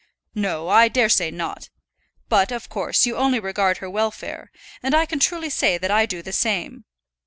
"No, I dare say not. But, of course, you only regard her welfare, and I can truly say that I do the same.